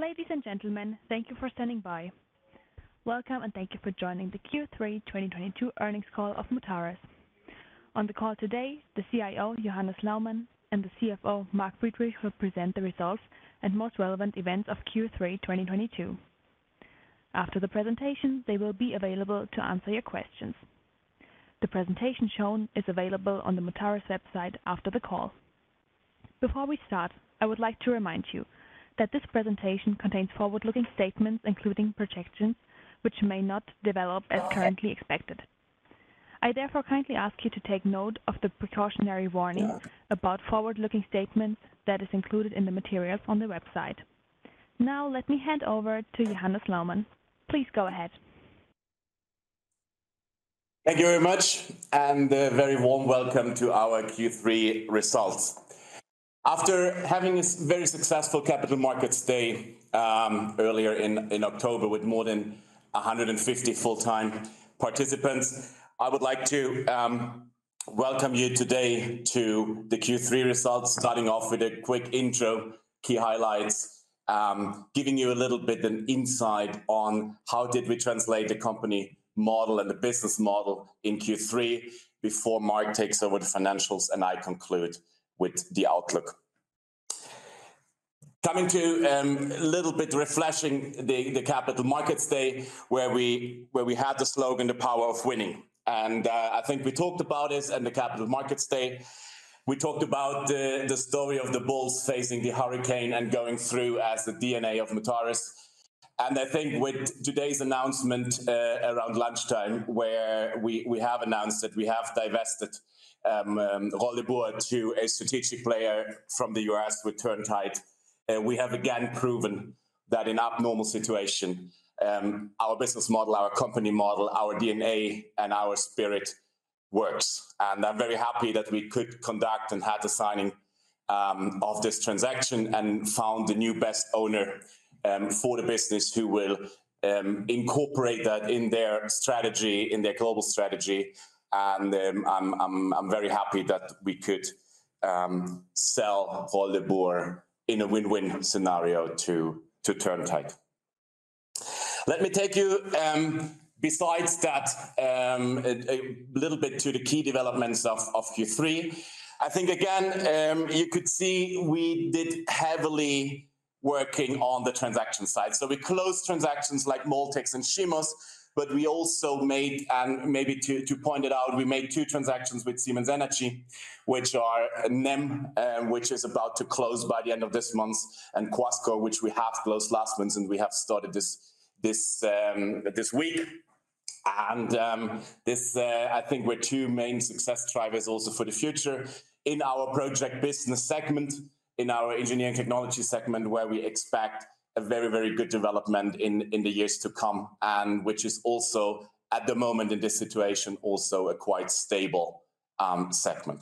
Ladies and gentlemen, thank you for standing by. Welcome, and thank you for joining the Q3 2022 earnings call of Mutares. On the call today, the CIO, Johannes Laumann, and the CFO, Mark Friedrich, will present the results and most relevant events of Q3 2022. After the presentation, they will be available to answer your questions. The presentation shown is available on the Mutares website after the call. Before we start, I would like to remind you that this presentation contains forward-looking statements, including projections, which may not develop as currently expected. I therefore kindly ask you to take note of the precautionary warning about forward-looking statements that is included in the materials on the website. Now let me hand over to Johannes Laumann. Please go ahead. Thank you very much, and a very warm welcome to our Q3 results. After having a very successful Capital Markets Day earlier in October with more than 150 full-time participants, I would like to welcome you today to the Q3 results, starting off with a quick intro, key highlights, giving you a little bit an insight on how did we translate the company model and the business model in Q3 before Mark takes over the financials, and I conclude with the outlook. Coming to a little bit refreshing the Capital Markets Day where we had the slogan, the power of winning. I think we talked about this in the Capital Markets Day. We talked about the story of the bulls facing the hurricane and going through as the DNA of Mutares. I think with today's announcement, around lunchtime where we have announced that we have divested de Boer to a strategic player from the U.S. with Turntide, we have again proven that in abnormal situation our business model, our company model, our DNA and our spirit works. I'm very happy that we could conduct and had the signing of this transaction and found a new best owner for the business who will incorporate that in their strategy, in their global strategy. I'm very happy that we could sell de Boer in a win-win scenario to Turntide. Let me take you besides that a little bit to the key developments of Q3. I think again you could see we did heavily working on the transaction side. We closed transactions like MoldTecs and Cimos, but we also made, and maybe to point it out, we made two transactions with Siemens Energy, which are NEM, which is about to close by the end of this month, and Guascor, which we have closed last month, and we have started this week. This, I think we're two main success drivers also for the future in our project business segment, in our Engineering & Technology segment, where we expect a very, very good development in the years to come, and which is also at the moment in this situation also a quite stable segment.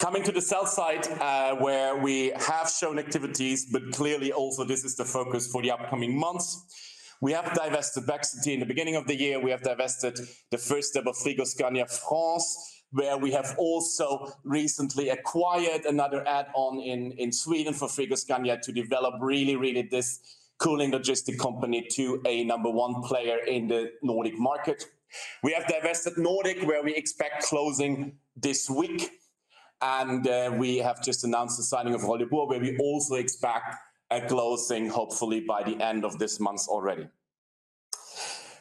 Coming to the sell side, where we have shown activities, but clearly also this is the focus for the upcoming months. We have divested BEXity in the beginning of the year. We have divested the first step of Frigoscandia France, where we have also recently acquired another add-on in Sweden for Frigoscandia to develop really this cooling logistics company to a number one player in the Nordic market. We have divested Nordec, where we expect closing this week, and we have just announced the signing of Holtebur, where we also expect a closing hopefully by the end of this month already.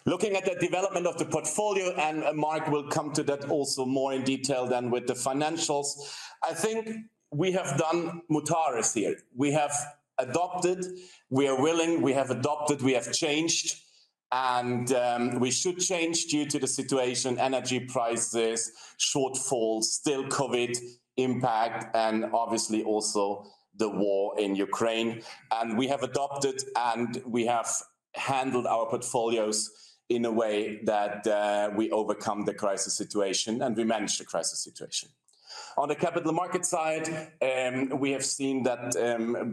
Looking at the development of the portfolio. Mark will come to that also more in detail with the financials. I think we have done Mutares here. We have adopted, we are willing, we have changed, and we should change due to the situation, energy prices, shortfalls, still COVID impact, and obviously also the war in Ukraine. We have adopted, and we have handled our portfolios in a way that we overcome the crisis situation, and we managed the crisis situation. On the capital market side, we have seen that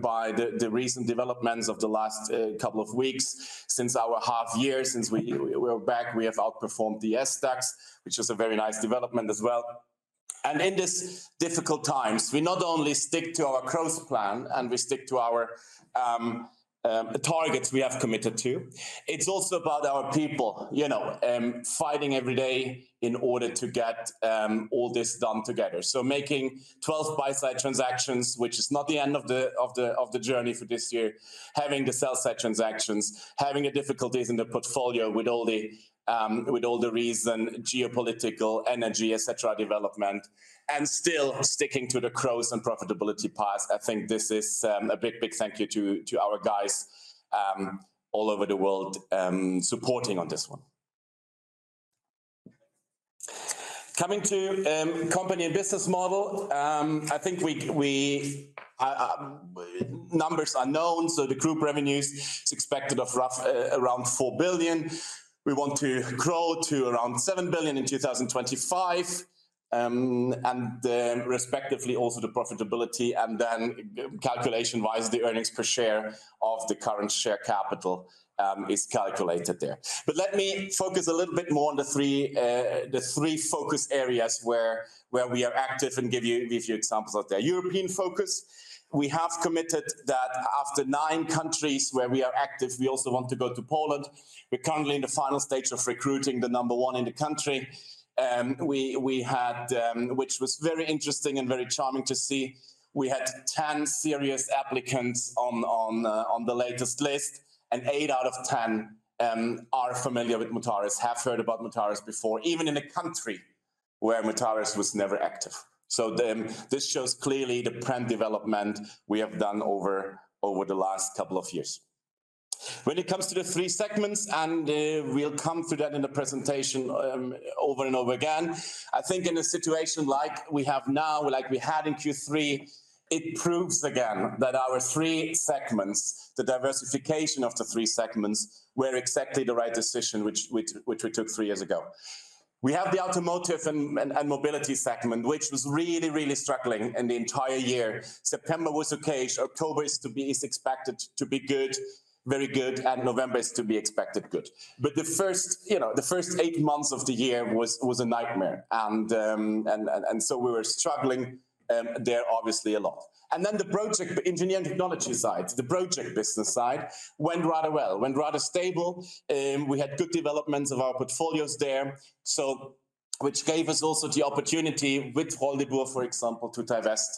by the recent developments of the last couple of weeks since our half year, since we're back, we have outperformed the SDAX, which is a very nice development as well. In this difficult times, we not only stick to our growth plan, and we stick to our targets we have committed to, it's also about our people, you know, fighting every day in order to get all this done together. Making 12 buy-side transactions, which is not the end of the journey for this year, having the sell-side transactions, having the difficulties in the portfolio with all the reasons, geopolitical, energy, etc., development, and still sticking to the growth and profitability path. I think this is a big thank you to our guys all over the world supporting on this one. Coming to company and business model. I think numbers are known, so the group revenues is expected to be roughly around 4 billion. We want to grow to around 7 billion in 2025. And then respectively also the profitability, and then calculation-wise, the earnings per share of the current share capital is calculated there. Let me focus a little bit more on the three focus areas where we are active and give you examples of that. European focus, we have committed that after nine countries where we are active, we also want to go to Poland. We're currently in the final stages of recruiting the number one in the country. Which was very interesting and very charming to see. We had 10 serious applicants on the latest list, and 8 out of 10 are familiar with Mutares, have heard about Mutares before, even in a country where Mutares was never active. This shows clearly the brand development we have done over the last couple of years. When it comes to the three segments, we'll come to that in the presentation, over and over again. I think in a situation like we have now, like we had in Q3, it proves again that our three segments, the diversification of the three segments, were exactly the right decision, which we took three years ago. We have the Automotive & Mobility segment, which was really struggling in the entire year. September was okay. October is expected to be good, very good, and November is expected to be good. The first, you know, eight months of the year was a nightmare and so we were struggling there obviously a lot. Then the Engineering & Technology side, the project business side went rather well, rather stable. We had good developments of our portfolios there, so which gave us also the opportunity with Holtebur, for example, to divest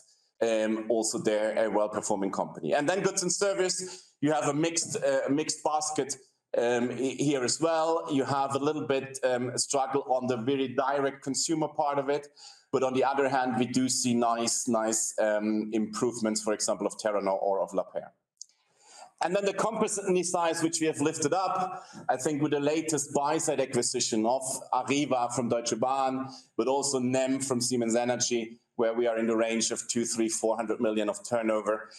also there a well-performing company. Goods and Services, you have a mixed basket here as well. You have a little bit struggle on the very direct consumer part of it. On the other hand, we do see nice improvements, for example, of Terranor or of Lapeyre. The company size, which we have lifted up, I think with the latest buy-side acquisition of Arriva from Deutsche Bahn, but also NEM from Siemens Energy, where we are in the range of 200-400 million of turnover.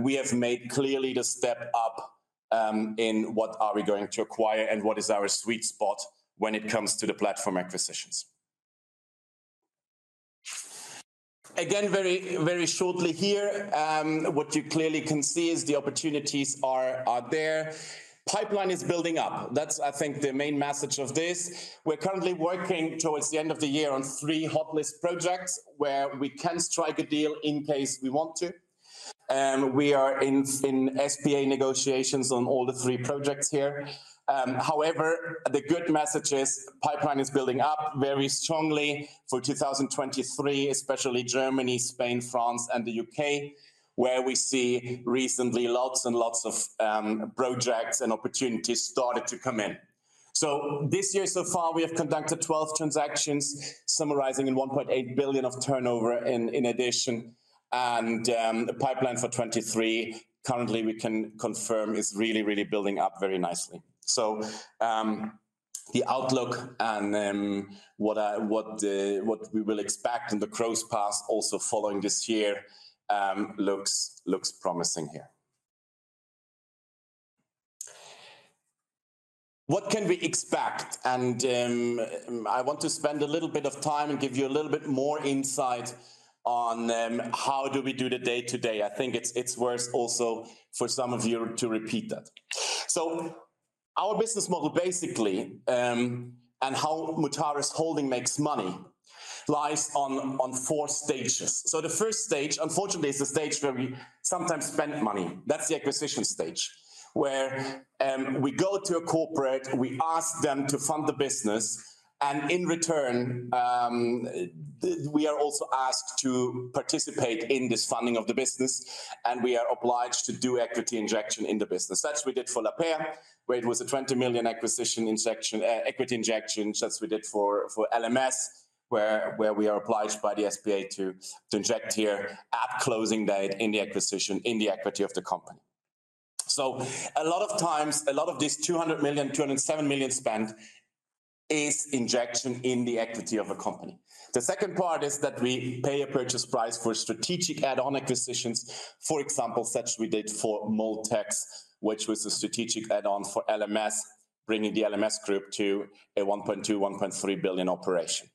We have made clearly the step up in what are we going to acquire and what is our sweet spot when it comes to the platform acquisitions. Again, very, very shortly here, what you clearly can see is the opportunities are there. Pipeline is building up. That's, I think, the main message of this. We're currently working towards the end of the year on three hotlist projects where we can strike a deal in case we want to, we are in SPA negotiations on all the three projects here. However, the good message is pipeline is building up very strongly for 2023, especially Germany, Spain, France, and the UK, where we see recently lots and lots of projects and opportunities started to come in. This year so far, we have conducted 12 transactions, summarizing in 1.8 billion of turnover in addition, and the pipeline for 2023 currently we can confirm is really, really building up very nicely. The outlook and what we will expect in the growth path also following this year looks promising here. What can we expect? I want to spend a little bit of time and give you a little bit more insight on how do we do the day-to-day. I think it's worth also for some of you to repeat that. Our business model basically and how Mutares Holding makes money lies on four stages. The first stage, unfortunately, is the stage where we sometimes spend money. That's the acquisition stage, where we go to a corporate, we ask them to fund the business, and in return we are also asked to participate in this funding of the business, and we are obliged to do equity injection in the business. That we did for Lapeyre, where it was a 20 million equity injection, as we did for LMS, where we are obliged by the SPA to inject here at closing date in the acquisition, in the equity of the company. A lot of times, a lot of this 200 million, 207 million spend is injection in the equity of a company. The second part is that we pay a purchase price for strategic add-on acquisitions. For example, such as we did for MoldTecs, which was a strategic add-on for LMS, bringing the LMS Group to a 1.2-1.3 billion operation.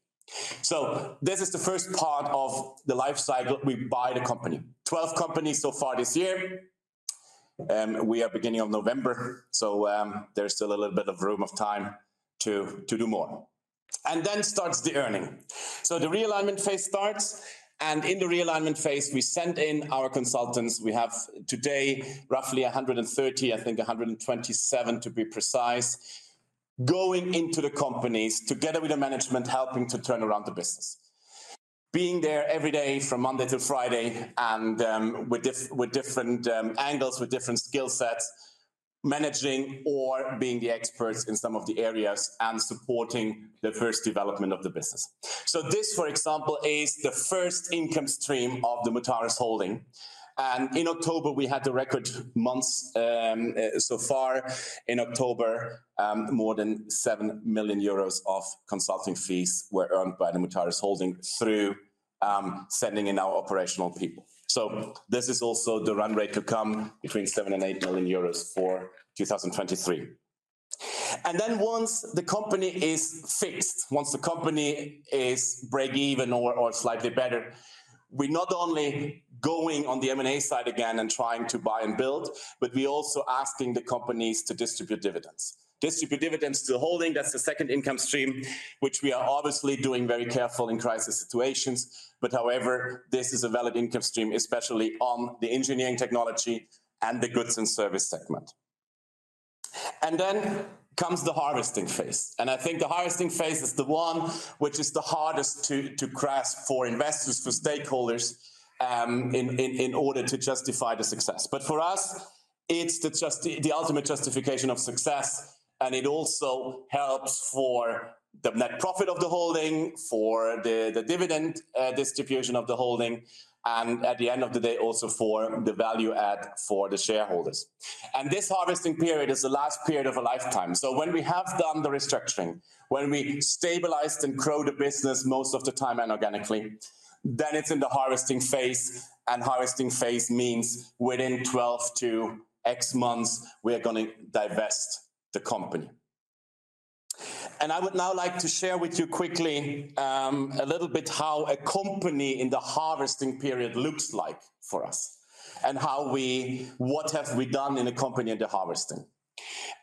This is the first part of the life cycle. We buy the company. 12 companies so far this year, we are beginning of November, there's still a little bit of room of time to do more. Then starts the earning. The realignment phase starts, and in the realignment phase, we send in our consultants. We have today roughly 130, I think 127 to be precise, going into the companies together with the management, helping to turn around the business. Being there every day from Monday to Friday and with different angles, with different skill sets, managing or being the experts in some of the areas and supporting the first development of the business. This, for example, is the first income stream of the Mutares Holding, and in October, we had the record months so far in October, more than 7 million euros of consulting fees were earned by the Mutares Holding through sending in our operational people. This is also the run rate to come between 7 million and 8 million euros for 2023. Once the company is fixed, once the company is breakeven or slightly better, we not only going on the M&A side again and trying to buy and build, but we also asking the companies to distribute dividends. Distribute dividends to the holding, that's the second income stream, which we are obviously doing very careful in crisis situations. However, this is a valid income stream, especially on the Engineering & Technology and the Goods and Services segment. Then comes the harvesting phase. I think the harvesting phase is the one which is the hardest to grasp for investors, for stakeholders, in order to justify the success. But for us, it's the ultimate justification of success, and it also helps for the net profit of the holding, for the dividend distribution of the holding, and at the end of the day, also for the value add for the shareholders. This harvesting period is the last period of a lifetime. When we have done the restructuring, when we stabilized and grow the business most of the time and organically, then it's in the harvesting phase. Harvesting phase means within 12 to 18 months, we are gonna divest the company. I would now like to share with you quickly a little bit how a company in the harvesting period looks like for us and what we have done in a company under harvesting.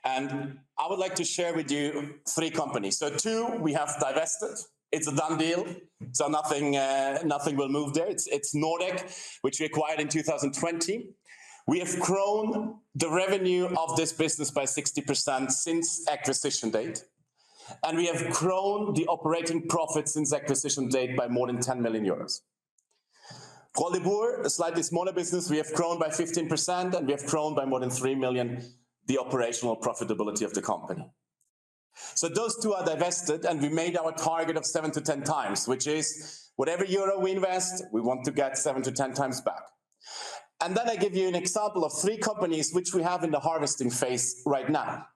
I would like to share with you three companies. Two we have divested. It's a done deal, so nothing will move there. It's Nordic, which we acquired in 2020. We have grown the revenue of this business by 60% since acquisition date, and we have grown the operating profit since acquisition date by more than 10 million euros. Qualibur, a slightly smaller business, we have grown by 15%, and we have grown by more than 3 million the operational profitability of the company. Those two are divested, and we made our target of 7x-10x, which is whatever euro we invest, we want to get 7x-10x back. I give you an example of three companies which we have in the harvesting phase right now.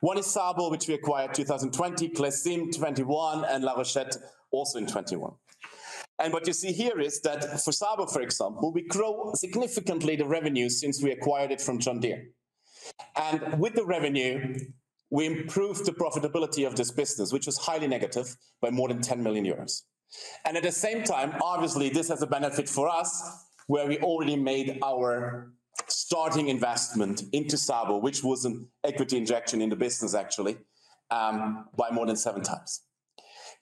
One is SABO, which we acquired 2020, Clecim 2021, and La Rochette also in 2021. What you see here is that for SABO, for example, we grow significantly the revenue since we acquired it from John Deere. With the revenue, we improved the profitability of this business, which was highly negative by more than 10 million euros. At the same time, obviously, this has a benefit for us, where we already made our starting investment into SABO, which was an equity injection in the business actually, by more than 7x.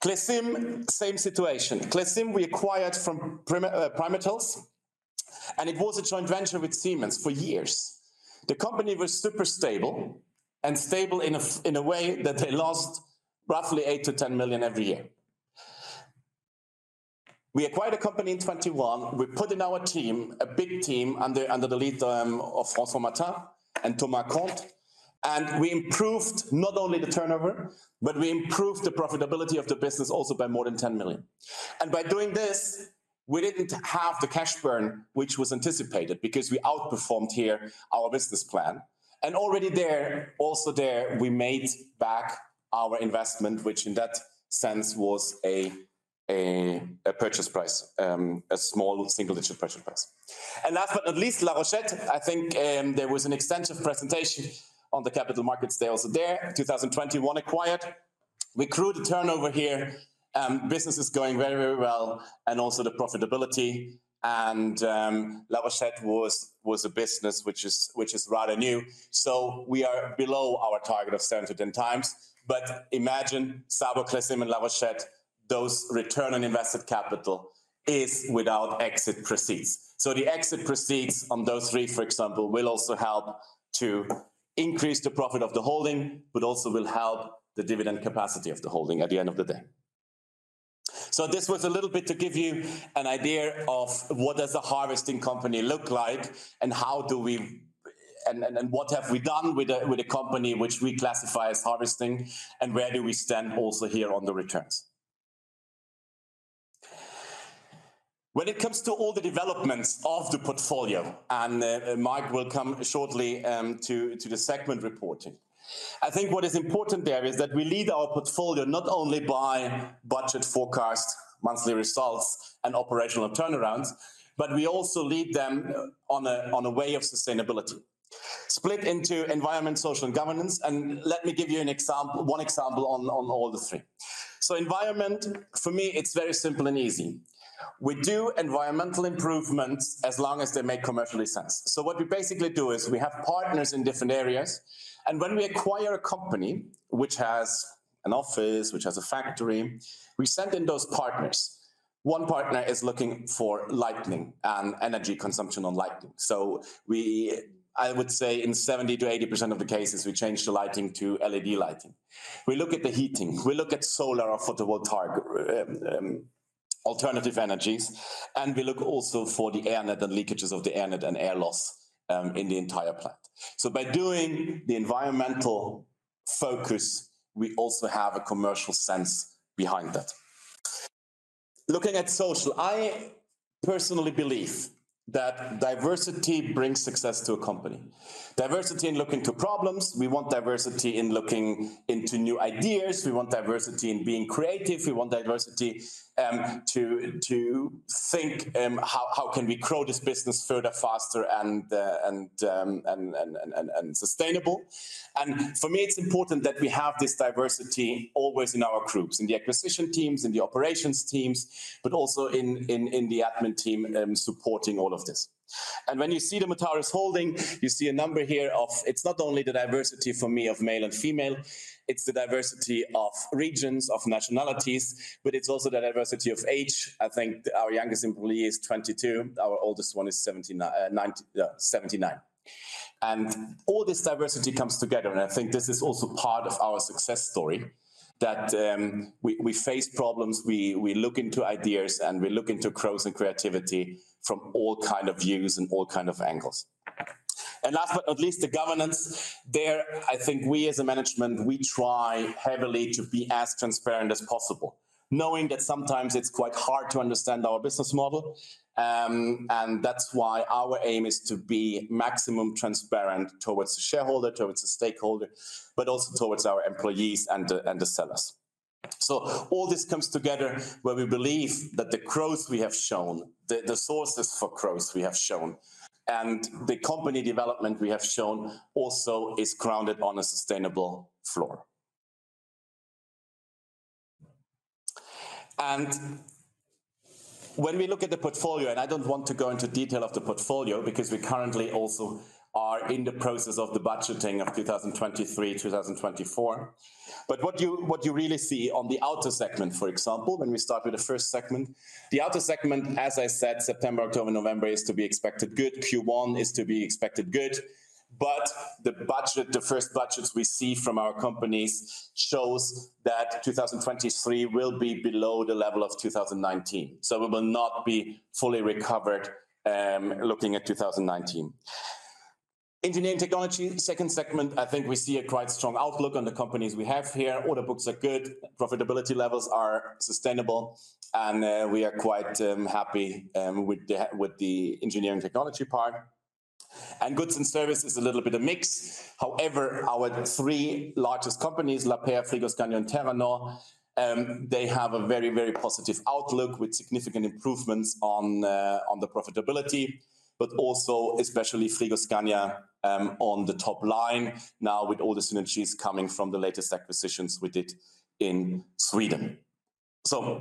Clecim, same situation. Clecim we acquired from Primetals, and it was a joint venture with Siemens for years. The company was super stable in a way that they lost roughly 8 million-10 million every year. We acquired the company in 2021. We put in our team, a big team under the lead of François Martin and Thomas Conte. We improved not only the turnover, but we improved the profitability of the business also by more than 10 million. By doing this, we didn't have the cash burn which was anticipated because we outperformed here our business plan. Already there, we made back our investment, which in that sense was a purchase price, a small single-digit purchase price. Last but not least, La Rochette. I think, there was an extensive presentation on the capital markets there also there. 2021 acquired. We grew the turnover here. Business is going very, very well and also the profitability. La Rochette was a business which is rather new. We are below our target of 7x-10x. Imagine Sabo, Clecim, and La Rochette, those return on invested capital is without exit proceeds. The exit proceeds on those three, for example, will also help to increase the profit of the holding, but also will help the dividend capacity of the holding at the end of the day. This was a little bit to give you an idea of what does a harvesting company look like and how do we and what have we done with a company which we classify as harvesting, and where do we stand also here on the returns. When it comes to all the developments of the portfolio, Mark will come shortly to the segment reporting. I think what is important there is that we lead our portfolio not only by budget forecast, monthly results, and operational turnarounds, but we also lead them on a way of sustainability. Split into environment, social, and governance, and let me give you an example one example on all the three. Environment, for me it's very simple and easy. We do environmental improvements as long as they make commercial sense. What we basically do is we have partners in different areas, and when we acquire a company which has an office, which has a factory, we send in those partners. One partner is looking for lighting and energy consumption on lighting. I would say in 70%-80% of the cases we change the lighting to LED lighting. We look at the heating. We look at solar or photovoltaic, alternative energies, and we look also for the air net and leakages of the air net and air loss in the entire plant. By doing the environmental focus, we also have a commercial sense behind that. Looking at social, I personally believe that diversity brings success to a company. Diversity in looking to problems, we want diversity in looking into new ideas, we want diversity in being creative, we want diversity to think how can we grow this business further, faster, and sustainable. For me, it's important that we have this diversity always in our groups, in the acquisition teams, in the operations teams, but also in the admin team supporting all of this. When you see the Mutares Holding, you see a number here of it's not only the diversity for me of male and female, it's the diversity of regions, of nationalities, but it's also the diversity of age. I think our youngest employee is 22, our oldest one is 79. All this diversity comes together, and I think this is also part of our success story, that we face problems, we look into ideas, and we look into growth and creativity from all kind of views and all kind of angles. Last but not least, the governance. There, I think we as a management, we try heavily to be as transparent as possible, knowing that sometimes it's quite hard to understand our business model, and that's why our aim is to be maximum transparent towards the shareholder, towards the stakeholder, but also towards our employees and the sellers. All this comes together where we believe that the growth we have shown, the sources for growth we have shown, and the company development we have shown also is grounded on a sustainable floor. When we look at the portfolio, I don't want to go into detail of the portfolio because we currently also are in the process of the budgeting of 2023, 2024. What you really see on the Auto segment, for example, when we start with the first segment, the Auto segment, as I said, September, October, November is to be expected good. Q1 is to be expected good. The budget, the first budgets we see from our companies shows that 2023 will be below the level of 2019. We will not be fully recovered, looking at 2019. Engineering Technology, second segment, I think we see a quite strong outlook on the companies we have here. Order books are good, profitability levels are sustainable, and we are quite happy with the Engineering & Technology part. Goods and Services, a little bit of mix. However, our three largest companies, Lapeyre, Frigoscandia, and Terranor, they have a very, very positive outlook with significant improvements on the profitability, but also especially Frigoscandia, on the top line now with all the synergies coming from the latest acquisitions we did in Sweden.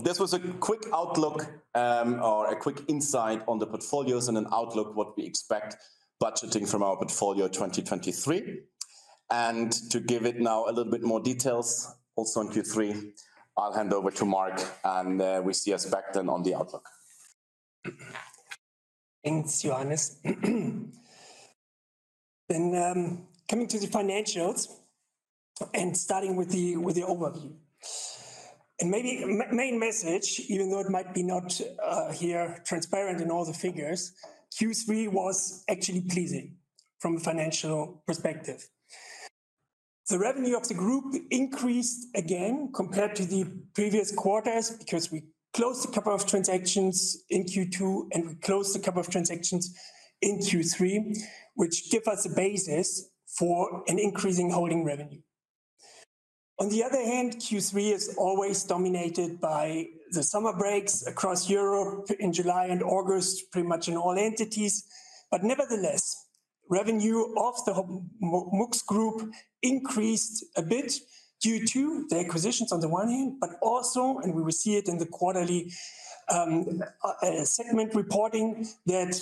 This was a quick outlook, or a quick insight on the portfolios and an outlook what we expect budgeting from our portfolio 2023. To give it now a little bit more details, also on Q3, I'll hand over to Mark, and we'll see you back then on the outlook. Thanks, Johannes. Coming to the financials and starting with the overview. Maybe main message, even though it might not be here transparent in all the figures, Q3 was actually pleasing from a financial perspective. The revenue of the group increased again compared to the previous quarters because we closed a couple of transactions in Q2, and we closed a couple of transactions in Q3, which give us a basis for an increasing holding revenue. On the other hand, Q3 is always dominated by the summer breaks across Europe in July and August, pretty much in all entities. Nevertheless, revenue of the Mutares group increased a bit due to the acquisitions on the one hand, but also, and we will see it in the quarterly segment reporting, that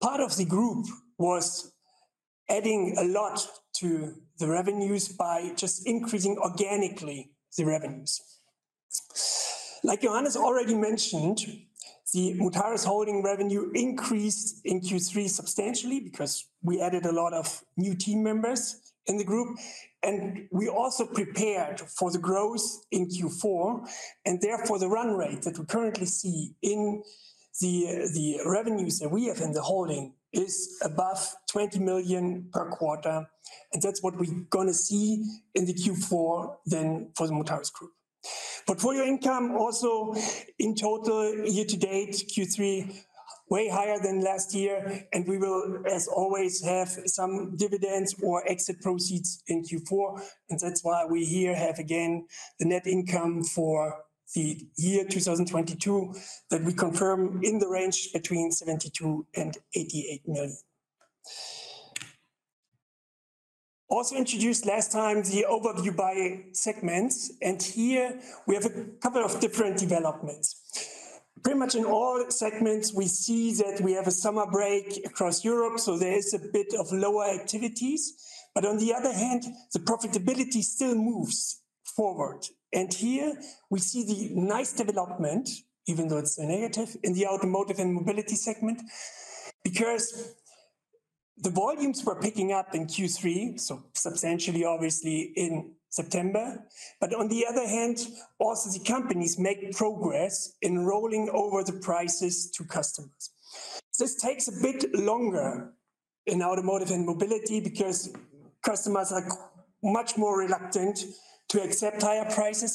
part of the group was adding a lot to the revenues by just increasing organically the revenues. Like Johannes already mentioned, the Mutares Holding revenue increased in Q3 substantially because we added a lot of new team members in the group. We also prepared for the growth in Q4, and therefore the run rate that we currently see in the revenues that we have in the holding is above 20 million per quarter. That's what we're gonna see in the Q4 then for the Mutares group. Portfolio income also in total year to date, Q3, way higher than last year, and we will, as always, have some dividends or exit proceeds in Q4. That's why we here have again the net income for the year 2022 that we confirm in the range between 72 million and 88 million. Also introduced last time the overview by segments, and here we have a couple of different developments. Pretty much in all segments, we see that we have a summer break across Europe, so there is a bit of lower activities. On the other hand, the profitability still moves forward. Here we see the nice development, even though it's a negative, in the Automotive & Mobility segment because the volumes were picking up in Q3, so substantially obviously in September. On the other hand, also the companies make progress in rolling over the prices to customers. This takes a bit longer in Automotive & Mobility because customers are much more reluctant to accept higher prices.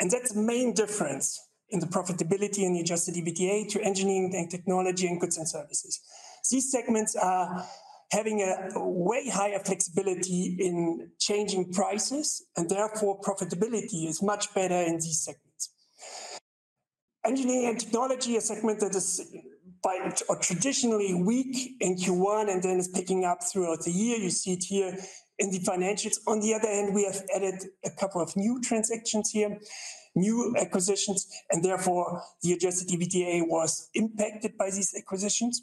That's the main difference in the profitability and the Adjusted EBITDA to Engineering & Technology and Goods and Services. These segments are having a way higher flexibility in changing prices, and therefore profitability is much better in these segments. Engineering & Technology, a segment that is traditionally weak in Q1 and then is picking up throughout the year. You see it here in the financials. On the other hand, we have added a couple of new transactions here, new acquisitions, and therefore the Adjusted EBITDA was impacted by these acquisitions.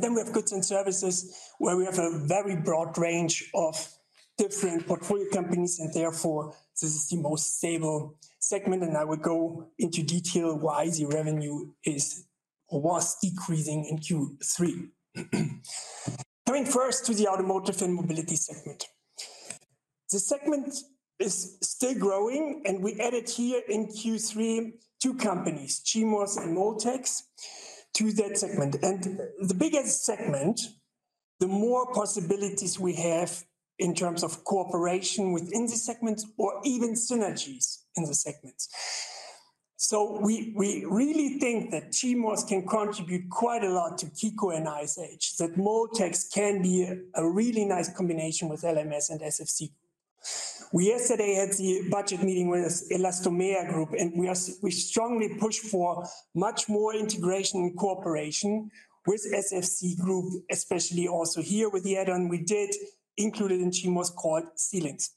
Then we have Goods and Services, where we have a very broad range of different portfolio companies, and therefore this is the most stable segment. I will go into detail why the revenue is or was decreasing in Q3. Coming first to the Automotive & Mobility segment. The segment is still growing, and we added here in Q3 two companies, Cimos and MoldTecs, to that segment. The biggest segment, the more possibilities we have in terms of cooperation within the segment or even synergies in the segment. We really think that Cimos can contribute quite a lot to KICO and ISH, that MoldTecs can be a really nice combination with LMS and SFC. We yesterday had the budget meeting with Elastomer Solutions Group, and we strongly pushed for much more integration and cooperation with SFC Group, especially also here with the add-on we did included in Cimos called Sealynx.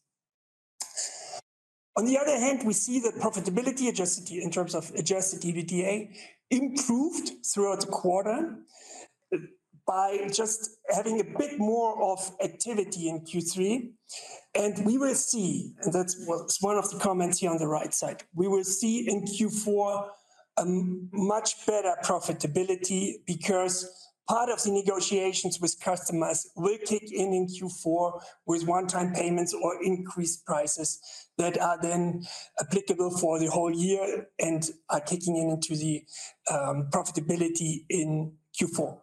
On the other hand, we see that profitability adjusted in terms of Adjusted EBITDA improved throughout the quarter by just having a bit more of activity in Q3. We will see, that's what's one of the comments here on the right side. We will see in Q4 a much better profitability because part of the negotiations with customers will kick in in Q4 with one-time payments or increased prices that are then applicable for the whole year and are kicking in into the profitability in Q4.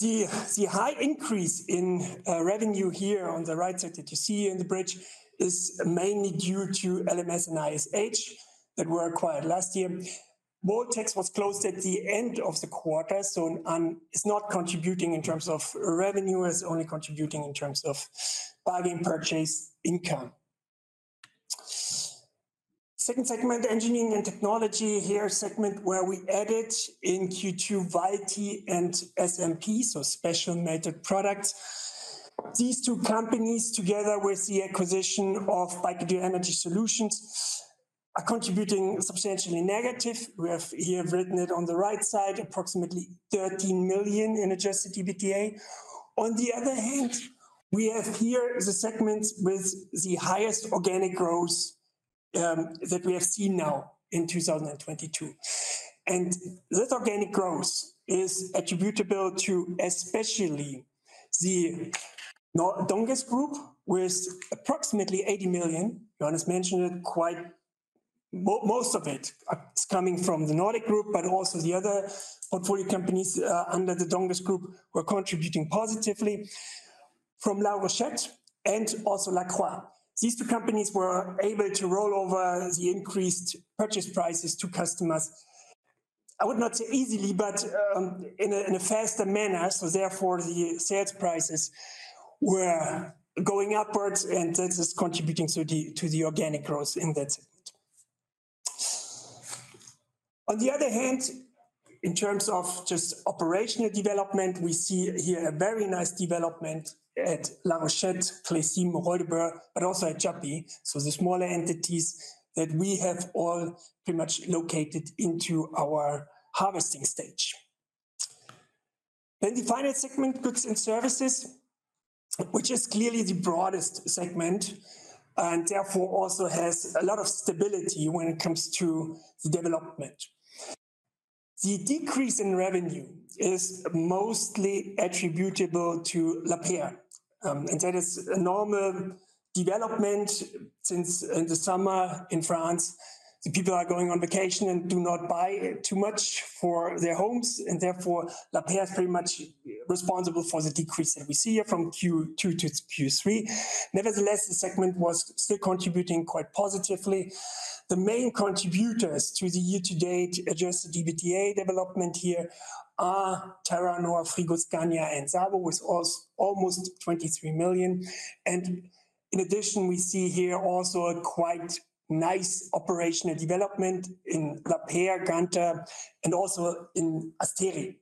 The high increase in revenue here on the right side that you see in the bridge is mainly due to LMS and ISH that were acquired last year. MoldTecs was closed at the end of the quarter, so it's not contributing in terms of revenue. It's only contributing in terms of bargain purchase income. Second segment, Engineering and Technology. Here a segment where we added in Q2, VALTI and SMP, so special metal products. These two companies, together with the acquisition of Balcke-Dürr Energy Solutions, are contributing substantially negative. We have here written it on the right side, approximately 13 million in adjusted EBITDA. On the other hand, we have here the segment with the highest organic growth that we have seen now in 2022. This organic growth is attributable to especially the Donges Group with approximately 80 million. Johannes mentioned it. Most of it is coming from the Nordic Group, but also the other portfolio companies under the Donges Group were contributing positively, from La Rochette and also Lacroix. These two companies were able to roll over the increased purchase prices to customers. I would not say easily, but in a faster manner. Therefore, the sales prices were going upwards, and this is contributing to the organic growth in that segment. On the other hand, in terms of just operational development, we see here a very nice development at La Rochette, Clecim, Holberg, but also at Chappée, so the smaller entities that we have all pretty much located into our harvesting stage. The final segment, Goods and Services, which is clearly the broadest segment and therefore also has a lot of stability when it comes to the development. The decrease in revenue is mostly attributable to Lapeyre, and that is a normal development since in the summer in France, the people are going on vacation and do not buy too much for their homes, and therefore Lapeyre is pretty much responsible for the decrease that we see here from Q2 to Q3. Nevertheless, the segment was still contributing quite positively. The main contributors to the year-to-date Adjusted EBITDA development here are Terranor, Frigoscandia and SABO with almost 23 million. In addition, we see here also a quite nice operational development in Lapeyre, Ganter and also in Asteri.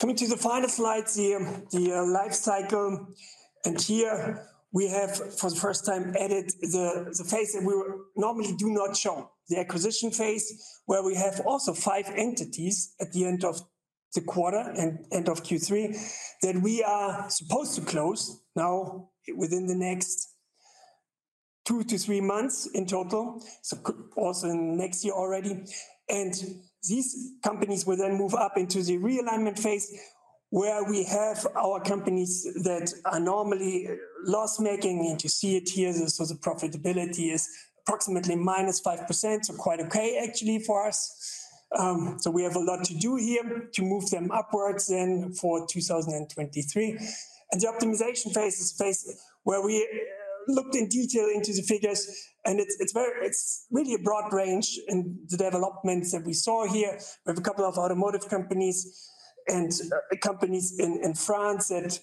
Coming to the final slide here, the life cycle. Here we have for the first time added the phase that we normally do not show, the acquisition phase, where we have also five entities at the end of the quarter and end of Q3 that we are supposed to close now within the next two to three months in total, so also next year already. These companies will then move up into the realignment phase where we have our companies that are normally loss-making, and you see it here, the sort of profitability is approximately -5%, so quite okay actually for us. We have a lot to do here to move them upwards in 2023. The optimization phase is the phase where we looked in detail into the figures, and it's really a broad range in the developments that we saw here. We have a couple of automotive companies and companies in France that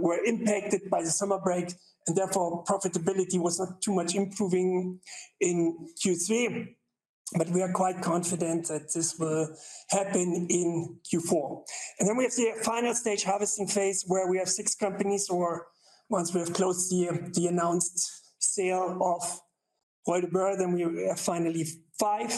were impacted by the summer break, and therefore profitability was not too much improving in Q3. We are quite confident that this will happen in Q4. Then we have the final stage harvesting phase, where we have six companies or once we have closed the announced sale of Holtebur, then we have finally five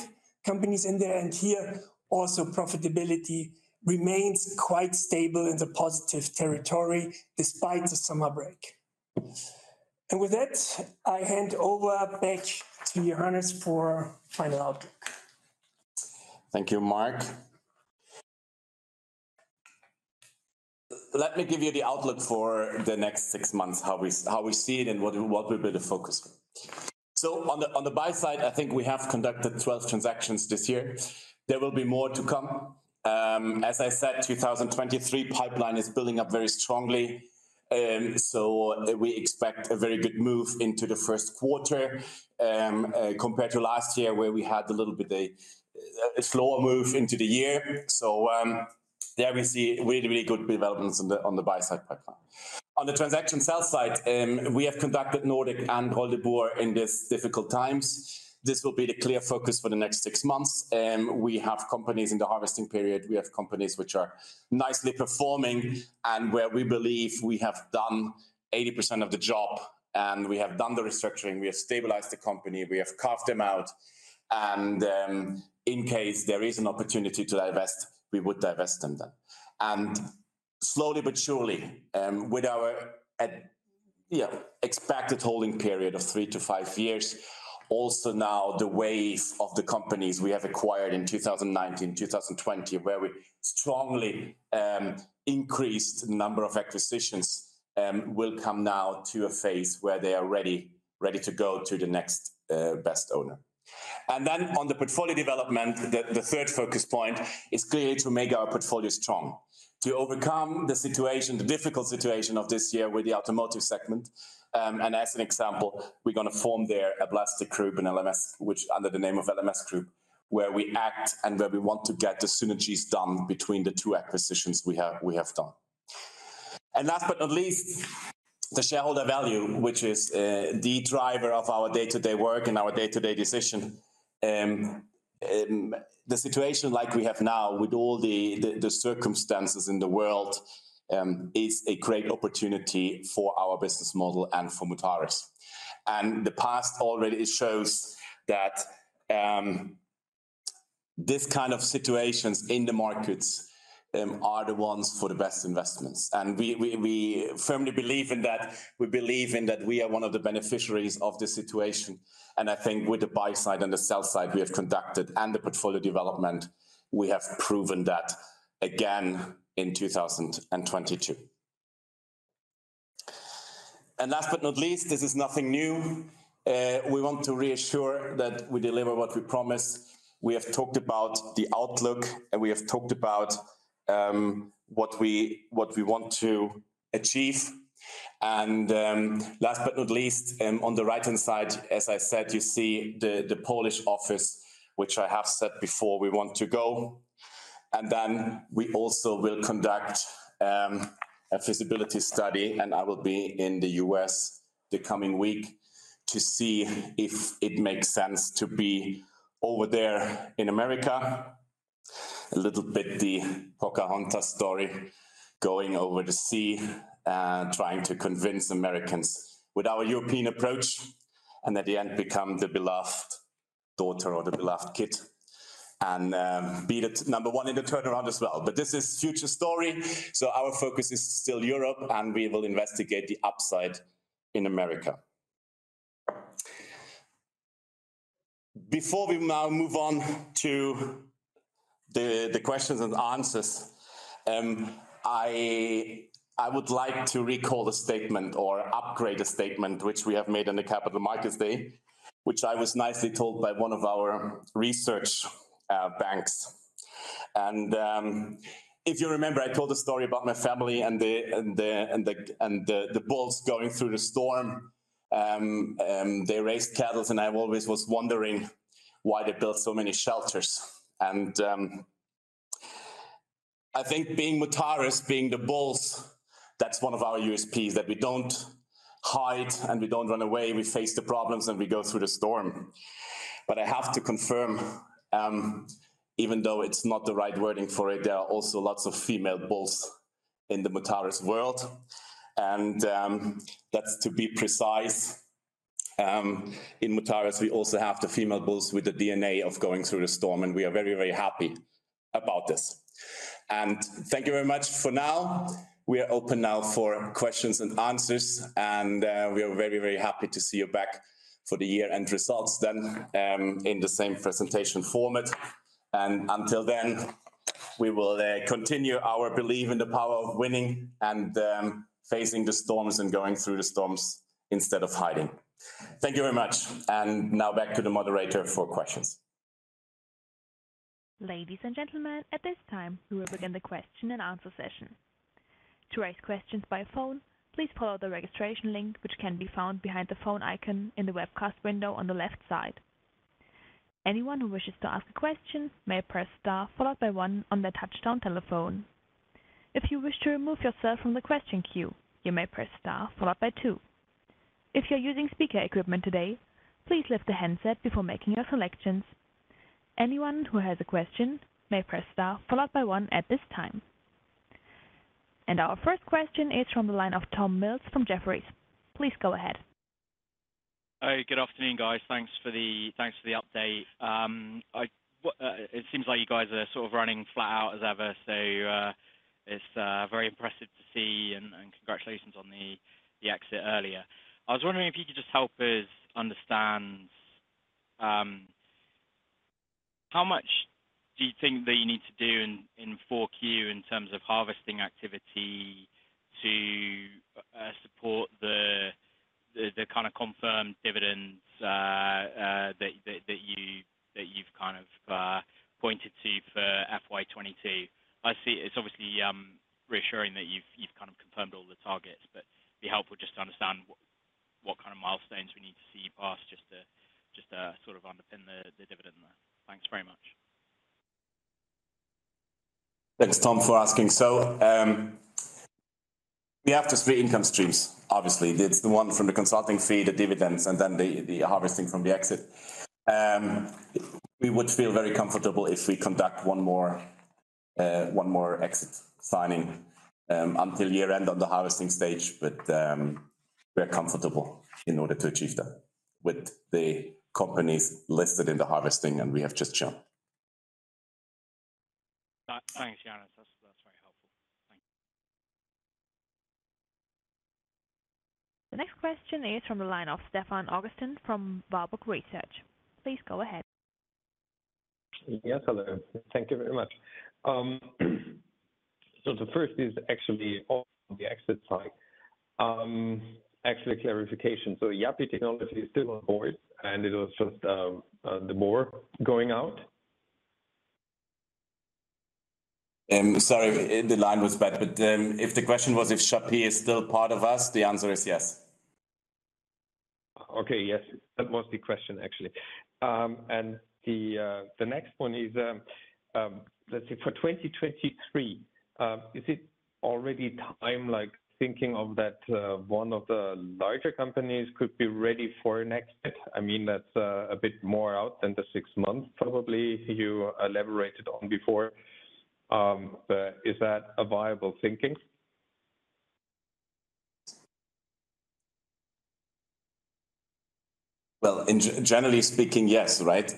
companies in there. Here also profitability remains quite stable in the positive territory despite the summer break. With that, I hand over back to Johannes for final outlook. Thank you, Mark. Let me give you the outlook for the next six months, how we see it and what will be the focus. On the buy side, I think we have conducted 12 transactions this year. There will be more to come. As I said, 2023 pipeline is building up very strongly. We expect a very good move into the first quarter, compared to last year where we had a little bit of a slower move into the year. There we see really good developments on the buy side pipeline. On the sell side, we have conducted Nordic and Holtebur in these difficult times. This will be the clear focus for the next six months. We have companies in the harvesting period. We have companies which are nicely performing and where we believe we have done 80% of the job, and we have done the restructuring, we have stabilized the company, we have carved them out, and in case there is an opportunity to divest, we would divest them then. Slowly but surely, with our expected holding period of 3-5 years, also now the wave of the companies we have acquired in 2019, 2020, where we strongly increased number of acquisitions, will come now to a phase where they are ready to go to the next best owner. Then on the portfolio development, the third focus point is clearly to make our portfolio strong, to overcome the situation, the difficult situation of this year with the automotive segment. As an example, we're gonna form there a plastic group in LMS, which under the name of LMS Group, where we act and where we want to get the synergies done between the two acquisitions we have done. Last but not least, the shareholder value, which is the driver of our day-to-day work and our day-to-day decision. The situation like we have now with all the circumstances in the world is a great opportunity for our business model and for Mutares. The past already shows that this kind of situations in the markets are the ones for the best investments. We firmly believe in that. We believe in that we are one of the beneficiaries of this situation. I think with the buy side and the sell side we have conducted and the portfolio development, we have proven that again in 2022. Last but not least, this is nothing new. We want to reassure that we deliver what we promise. We have talked about the outlook, and we have talked about what we want to achieve. Last but not least, on the right-hand side, as I said, you see the Polish office, which I have said before we want to go. Then we also will conduct a feasibility study, and I will be in the U.S. the coming week to see if it makes sense to be over there in America. A little bit the Pocahontas story, going over the sea, trying to convince Americans with our European approach, and at the end become the beloved daughter or the beloved kid, and be the number one in the turnaround as well. But this is future story, so our focus is still Europe, and we will investigate the upside in America. Before we now move on to the questions and answers, I would like to recall a statement or upgrade a statement which we have made in the Capital Markets Day, which I was nicely told by one of our research banks. They raised cattle, and I always was wondering why they built so many shelters. I think being Mutares, being the bulls, that's one of our USPs, that we don't hide, and we don't run away. We face the problems, and we go through the storm. I have to confirm, even though it's not the right wording for it, there are also lots of female bulls in the Mutares world. That's to be precise. In Mutares, we also have the female bulls with the DNA of going through the storm, and we are very, very happy about this. Thank you very much for now. We are open now for questions and answers, and we are very, very happy to see you back. For the year-end results then, in the same presentation format. Until then, we will continue our belief in the power of winning and facing the storms and going through the storms instead of hiding. Thank you very much. Now back to the moderator for questions. Ladies and gentlemen, at this time, we will begin the question-and-answer session. To raise questions by phone, please follow the registration link, which can be found behind the phone icon in the webcast window on the left side. Anyone who wishes to ask a question may press star followed by one on their touchtone telephone. If you wish to remove yourself from the question queue, you may press star followed by two. If you're using speaker equipment today, please lift the handset before making your selections. Anyone who has a question may press star followed by one at this time. Our first question is from the line of Tom Mills from Jefferies. Please go ahead. Hi. Good afternoon, guys. Thanks for the update. It seems like you guys are sort of running flat out as ever. It's very impressive to see and congratulations on the exit earlier. I was wondering if you could just help us understand how much do you think that you need to do in Q4 in terms of harvesting activity to support the kind of confirmed dividends that you've kind of pointed to for FY 2022? I see it's obviously reassuring that you've kind of confirmed all the targets, but it'd be helpful just to understand what kind of milestones we need to see you pass just to sort of underpin the dividend there. Thanks very much. Thanks, Tom, for asking. We have three income streams, obviously. It's the one from the consulting fee, the dividends, and then the harvesting from the exit. We would feel very comfortable if we conduct one more exit signing until year-end on the harvesting stage. We're comfortable in order to achieve that with the companies listed in the harvesting, and we have just shown. Thanks, Yanus. That's very helpful. Thank you. The next question is from the line of Stefan Augustin from Warburg Research. Please go ahead. Yes, hello. Thank you very much. The first is actually on the exit side. Actually a clarification. Yapi Technology is still on board, and it was just the more going out? Sorry, the line was bad. If the question was if Chappée is still part of us, the answer is yes. Okay. Yes. That was the question, actually. The next one is, let's say for 2023, is it already time like thinking of that, one of the larger companies could be ready for an exit? I mean, that's a bit more out than the 6 months probably you elaborated on before. But is that a viable thinking? In general speaking, yes, right?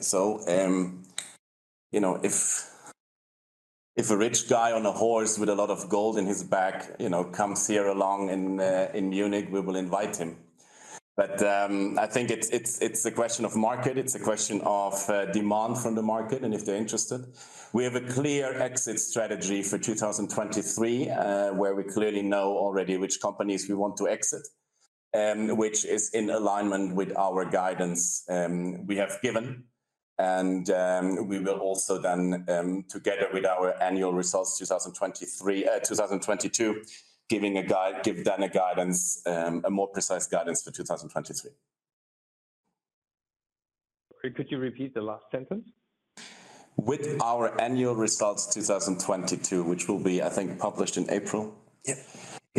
You know, if a rich guy on a horse with a lot of gold in his bag, you know, comes here along in Munich, we will invite him. I think it's a question of market, it's a question of demand from the market and if they're interested. We have a clear exit strategy for 2023, where we clearly know already which companies we want to exit, which is in alignment with our guidance we have given. We will also then together with our annual results 2022 give then a guidance, a more precise guidance for 2023. Sorry, could you repeat the last sentence? With our annual results 2022, which will be, I think, published in April. Yeah.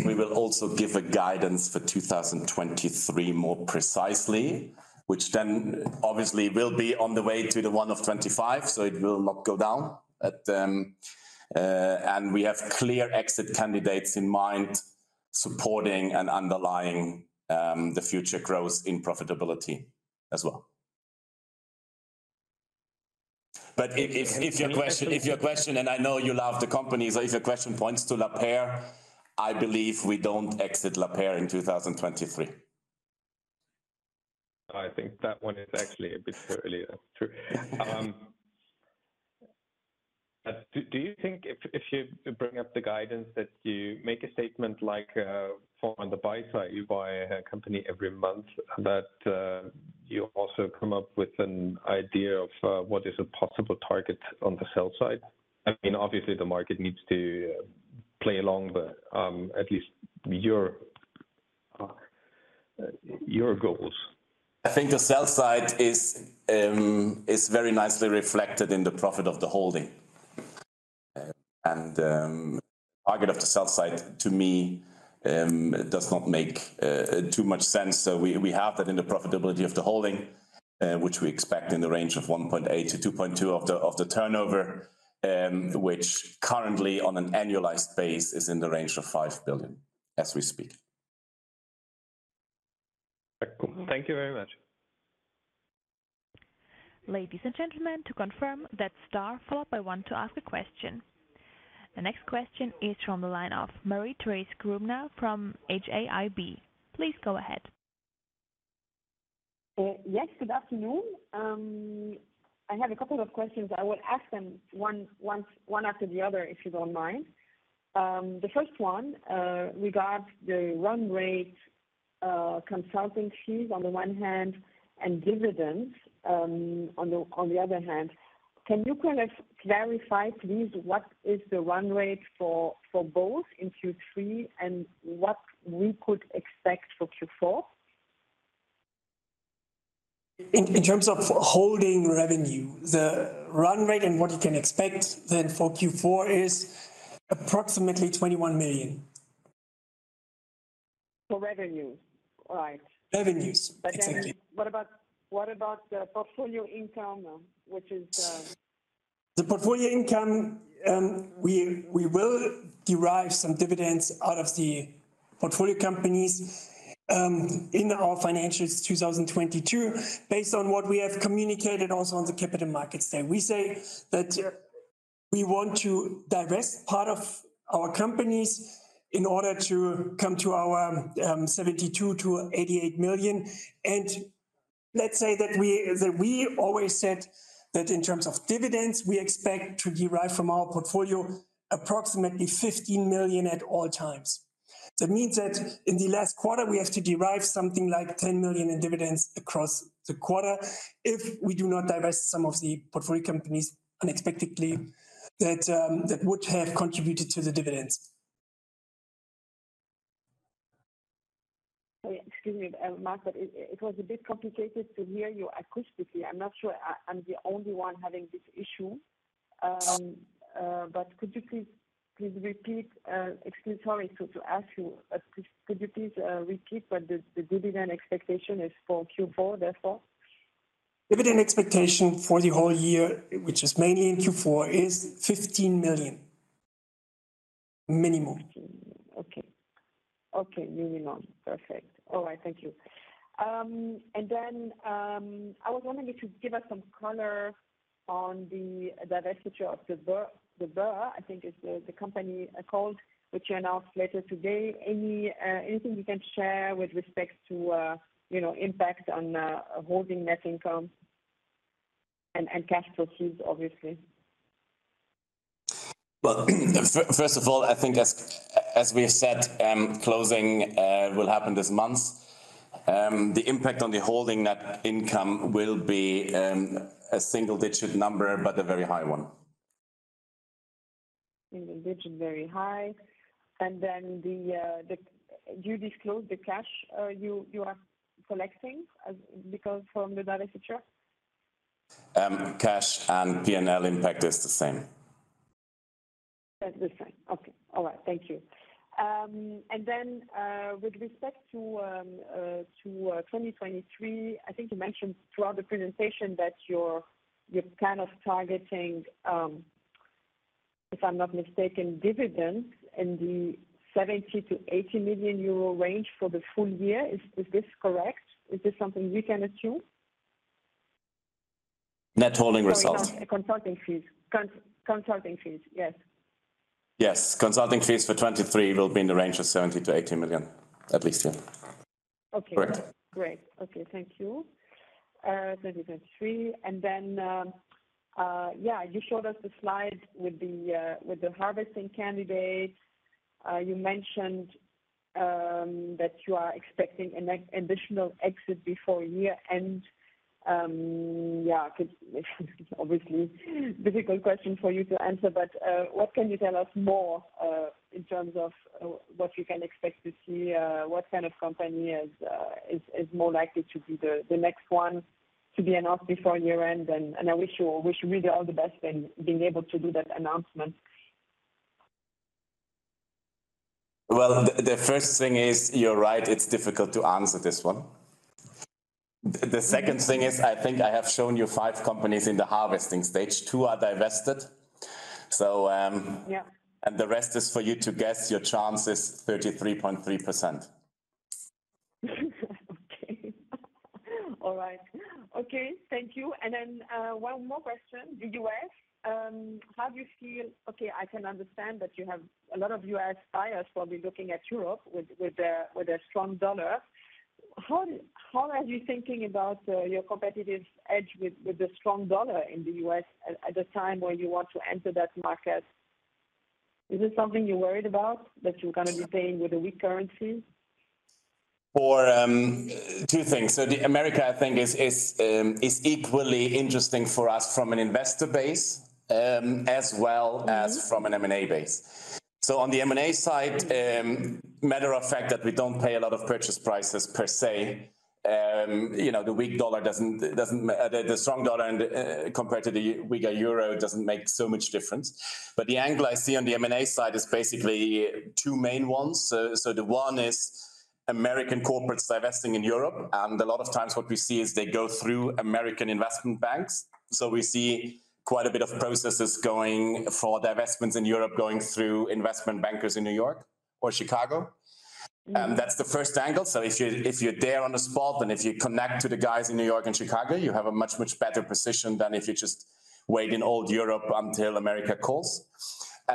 We will also give a guidance for 2023 more precisely, which then obviously will be on the way to the one of 25, so it will not go down, and we have clear exit candidates in mind supporting and underlying the future growth in profitability as well. But if your question, and I know you love the companies, but if your question points to Lapeyre, I believe we don't exit Lapeyre in 2023. I think that one is actually a bit early. That's true. Do you think if you bring up the guidance that you make a statement like, from on the buy side, you buy a company every month, that you also come up with an idea of what is a possible target on the sell side? I mean, obviously the market needs to play along, but at least your goals. I think the sell side is very nicely reflected in the profit of the holding. Target of the sell side to me does not make too much sense. We have that in the profitability of the holding, which we expect in the range of 1.8%-2.2% of the turnover, which currently on an annualized basis is in the range of 5 billion as we speak. Thank you very much. Ladies and gentlemen, to confirm that star followed by one to ask a question. The next question is from the line of Marie-Thérèse Grübner from HAIB. Please go ahead. Yes, good afternoon. I have a couple of questions. I will ask them one after the other, if you don't mind. The first one regards the run rate, consulting fees on the one hand, and dividends, on the other hand. Can you kind of clarify please what is the run rate for both in Q3 and what we could expect for Q4? In terms of holding revenue, the run rate and what you can expect then for Q4 is approximately 21 million. For revenue? Right. Revenues. Exactly. What about the portfolio income, which is? The portfolio income, we will derive some dividends out of the portfolio companies, in our financials 2022. Based on what we have communicated also on the Capital Markets Day. We say that we want to divest part of our companies in order to come to our 72 million-88 million. Let's say that we always said that in terms of dividends, we expect to derive from our portfolio approximately 15 million at all times. That means that in the last quarter, we have to derive something like 10 million in dividends across the quarter. If we do not divest some of the portfolio companies unexpectedly, that would have contributed to the dividends. Sorry, excuse me, Mark, but it was a bit complicated to hear you acoustically. I'm not sure I'm the only one having this issue. Could you please repeat? Sorry to ask you, but could you please repeat what the dividend expectation is for Q4, therefore? Dividend expectation for the whole year, which is mainly in Q4, is 15 million minimum. Okay. Perfect. All right. Thank you. I was wondering if you could give us some color on the divestiture of Holtebur, I think is the company called, which you announced later today. Anything you can share with respect to, you know, impact on holding net income and cash proceeds, obviously? Well, first of all, I think as we have said, closing will happen this month. The impact on the holding net income will be a single-digit number, but a very high one. Single digit, very high. Do you disclose the cash you are collecting because from the divestiture? Cash and P&L impact is the same. Is the same. Okay. All right. Thank you. With respect to 2023, I think you mentioned throughout the presentation that you're kind of targeting, if I'm not mistaken, dividends in the 70 million-80 million euro range for the full year. Is this correct? Is this something we can assume? Net holding results. Sorry, consulting fees. Consulting fees. Yes. Yes. Consulting fees for 2023 will be in the range of 70 million-80 million, at least, yeah. Okay. Correct. Great. Okay. Thank you. That is at 3. You showed us the slide with the harvesting candidates. You mentioned that you are expecting an additional exit before year-end. Obviously difficult question for you to answer, but what can you tell us more in terms of what we can expect to see? What kind of company is more likely to be the next one to be announced before year-end? I wish you really all the best in being able to do that announcement. Well, the first thing is, you're right, it's difficult to answer this one. The second thing is, I think I have shown you five companies in the harvesting stage. Two are divested. Yeah. The rest is for you to guess. Your chance is 33.3%. Okay. All right. Okay. Thank you. Then, one more question. I can understand that you have a lot of U.S. buyers probably looking at Europe with a strong dollar. How are you thinking about your competitive edge with the strong dollar in the U.S. at the time when you want to enter that market? Is this something you're worried about, that you're gonna be paying with a weak currency? For two things. America, I think, is equally interesting for us from an investor base, as well as Mm-hmm. From an M&A base. On the M&A side, as a matter of fact, that we don't pay a lot of purchase prices per se, you know, the strong US dollar compared to the weaker euro doesn't make so much difference. The angle I see on the M&A side is basically two main ones. The one is American corporates divesting in Europe, and a lot of times what we see is they go through American investment banks. We see quite a bit of processes going for divestments in Europe, going through investment bankers in New York or Chicago. That's the first angle. If you're there on the spot, and if you connect to the guys in New York and Chicago, you have a much better position than if you just wait in old Europe until America calls.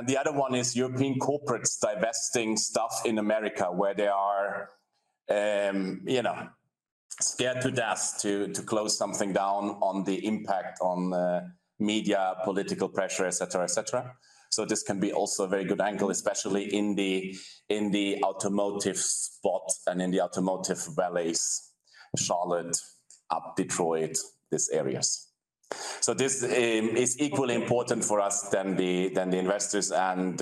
The other one is European corporates divesting stuff in America, where they are, you know, scared to death to close something down over the impact on the media, political pressure, et cetera. This can be also a very good angle, especially in the automotive spot and in the automotive alleys, Charlotte, up Detroit, these areas. This is equally important for us than the investors and,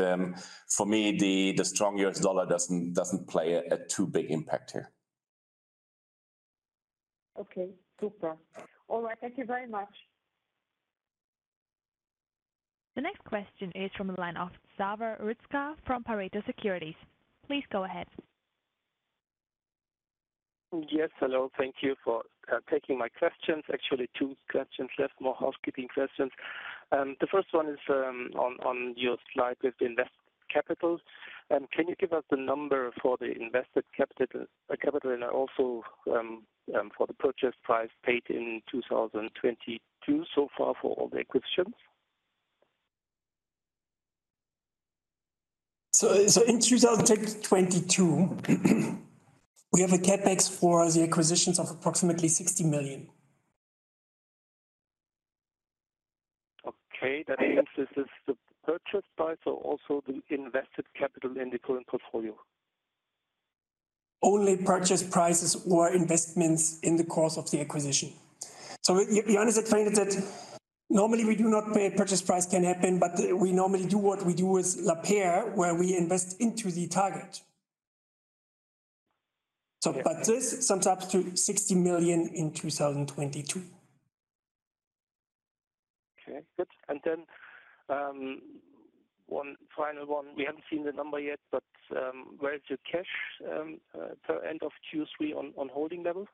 for me, the strong US dollar doesn't play a too big impact here. Okay. Super. All right. Thank you very much. The next question is from the line of Xaver Ryzka from Pareto Securities. Please go ahead. Yes. Hello. Thank you for taking my questions. Actually, two questions left, more housekeeping questions. The first one is on your slide with invested capital. Can you give us the number for the invested capital and also for the purchase price paid in 2022 so far for all the acquisitions? in 2022, we have a CapEx for the acquisitions of approximately 60 million. Okay. That means this is the purchase price or also the invested capital in the current portfolio. Only purchase prices or investments in the course of the acquisition. The honest explanation is that normally we do not pay a purchase price, can happen, but we normally do what we do with Lapeyre, where we invest into the target. Okay. This sums up to 60 million in 2022. Okay. Good. One final one. We haven't seen the number yet, but where is your cash per end of Q3 on holding level?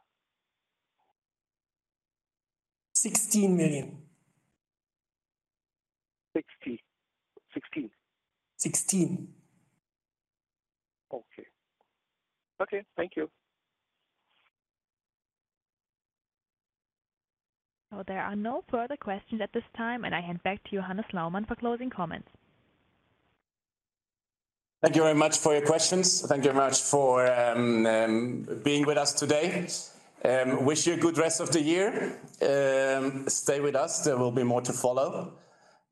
16 million. 60. 16. Sixteen. Okay. Thank you. There are no further questions at this time, and I hand back to Johannes Laumann for closing comments. Thank you very much for your questions. Thank you very much for being with us today. Wish you a good rest of the year. Stay with us. There will be more to follow.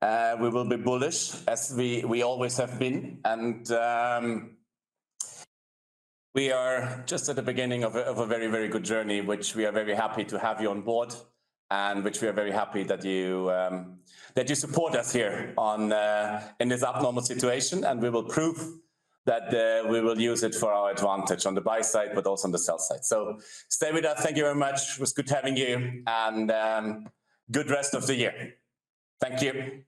We will be bullish as we always have been. We are just at the beginning of a very, very good journey, which we are very happy to have you on board and which we are very happy that you support us here on, in this abnormal situation. We will prove that, we will use it for our advantage on the buy side, but also on the sell side. Stay with us. Thank you very much. It was good having you, and, good rest of the year. Thank you.